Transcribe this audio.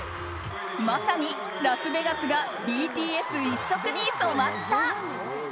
まさにラスベガスがＢＴＳ一色に染まった。